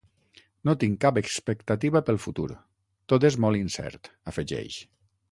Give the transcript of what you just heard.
No tinc cap expectativa pel futur; tot és molt incert, afegeix.